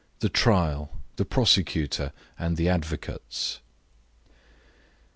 THE TRIAL THE PROSECUTOR AND THE ADVOCATES.